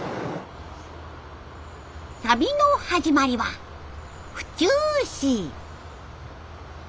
旅の始まりは府中市。